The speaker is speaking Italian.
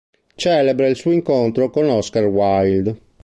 Celebre è il suo incontro con Oscar Wilde.